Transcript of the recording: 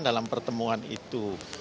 dalam pertemuan itu